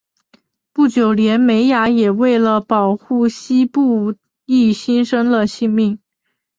不久连美雅也为了保护希布亦牺牲了性命。